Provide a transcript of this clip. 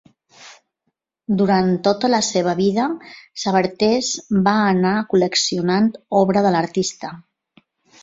Durant tota la seva vida Sabartés va anar col·leccionant obra de l'artista.